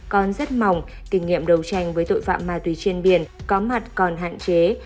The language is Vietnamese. còn rất mỏng kinh nghiệm đấu tranh với tội phạm ma túy trên biển có mặt còn hạn chế